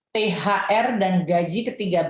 thr dan gaji ke tiga belas